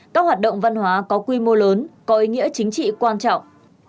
các hoạt động văn hóa có quy mô lớn có ý nghĩa chính trị quan trọng